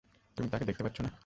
তুমি দেখতে পাচ্ছ না?